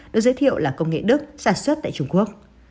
được giới thiệu là công nghệ đức sản xuất tại trung quốc